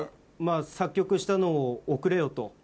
作曲したのを送れよと。